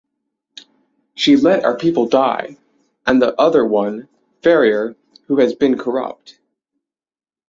She let our people die and the other one (Ferrier) who has been corrupt.